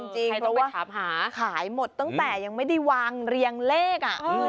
เพราะว่าหาขายหมดตั้งแต่ยังไม่ได้วางเรียงเลข